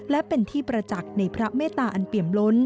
และเป็นที่ประจักษ์ในพระเมตตาอันเปี่ยมล้น